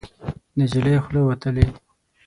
د نجلۍ خوله وتلې